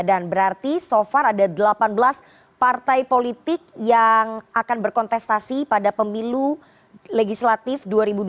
dan berarti so far ada delapan belas partai politik yang akan berkontestasi pada pemilu legislatif dua ribu dua puluh empat